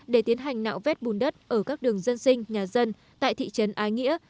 để tiến hành nạo vét bùn đất ở các đường dân sinh nhà dân tại thị trấn ái nghĩa